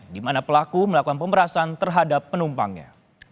di mana pelaku melakukan pemerasan terhadap penumpangnya